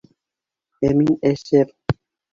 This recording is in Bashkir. Ә мин әсәм!